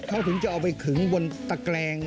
เขาถึงจะเอาไปขึงบนตะแกรง